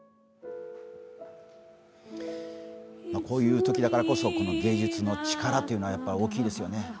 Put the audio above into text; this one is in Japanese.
こういうときだからこそ芸術の力というのは大きいですよね。